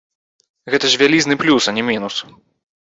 Гэта ж вялізны плюс, а не мінус.